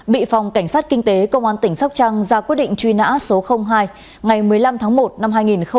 bị phòng cảnh sát kinh tế công an tỉnh sóc trăng ra quyết định truy nã số hai ngày một mươi năm tháng một năm hai nghìn một mươi